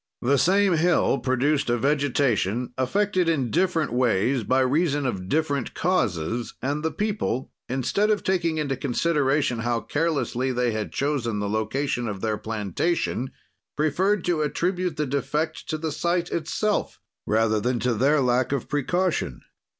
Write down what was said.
"The same hill produced a vegetation, affected in different ways, by reason of different causes; and the people, instead of taking into consideration how carelessly they had chosen the location of their plantation, preferred to attribute the defect to the site itself, rather than to their lack of precaution.